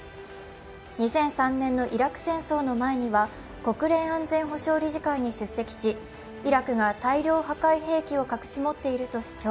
２００３年のイラク戦争の前には国連安全保障理事会に出席しイラクが大量破壊兵器を隠し持っていると主張。